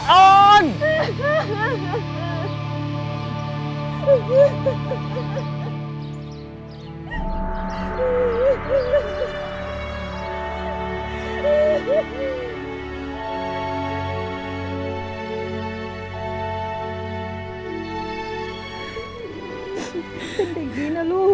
เป็นเด็กดีนะลูก